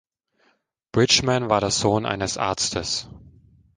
Bridgman war der Sohn eines Arztes.